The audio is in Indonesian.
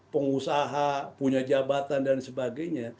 pengusaha punya jabatan dan sebagainya